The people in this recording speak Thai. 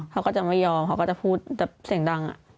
เขาก็จะไม่ยอมเขาก็จะพูดแบบเสียงดัง